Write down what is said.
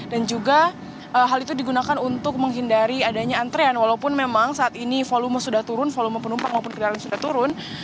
dan juga hal itu digunakan untuk menghindari adanya antrean walaupun memang saat ini volume sudah turun volume penumpang walaupun kendaraan sudah turun